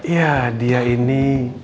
ya dia ini